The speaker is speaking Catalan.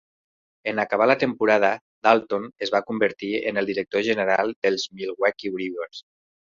En acabar la temporada, Dalton es va convertir en el director general dels Milwaukee Brewers.